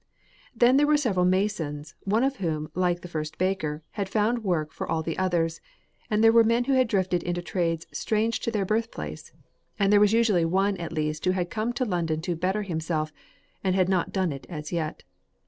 Then there were several masons, one of whom, like the first baker, had found work for all the others, and there were men who had drifted into trades strange to their birthplace, and there was usually one at least who had come to London to "better himself" and had not done it as yet.